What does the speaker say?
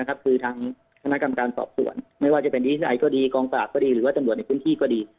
ขนาดกรรมการตอบส่วนไม่ว่าจะเป็นหิตรใดก็ดีกลองปากก็ดีหรือว่าตำรวจที่ก็ดี